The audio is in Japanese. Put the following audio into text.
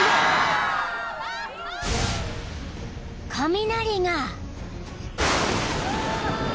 ［雷が］